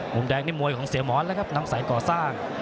มุมแดงนี่มวยของเสียหมอนแล้วครับนำสายก่อสร้าง